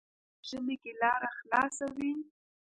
آیا په ژمي کې لاره خلاصه وي؟